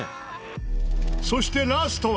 そしてラストは。